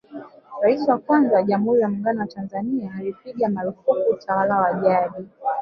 Rais wa kwanza wa Jamhuri ya Muungano wa Tanzania alipiga maarufuku utawala wa jadi